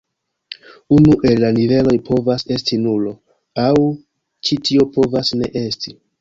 Unu el la niveloj povas esti nulo, aŭ ĉi tio povas ne esti.